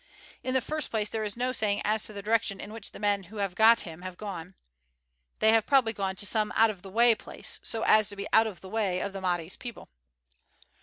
In the first place there is no saying as to the direction in which the men who have got him have gone. They have probably gone to some out of the way place, so as to be out of the way of the Mahdi's people.